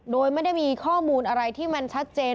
โดยไม่ได้มีข้อมูลอะไรที่มันชัดเจน